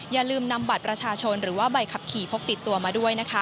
อย่าลืมนำบัตรประชาชนหรือว่าใบขับขี่พกติดตัวมาด้วยนะคะ